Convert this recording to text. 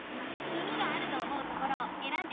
耳があると思うところをえらんでみて。